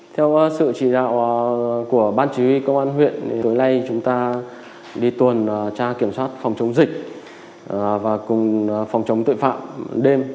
theo sự chỉ đạo của ban chỉ huy công an huyện tối nay chúng ta đi tuần tra kiểm soát phòng chống dịch và phòng chống tội phạm đêm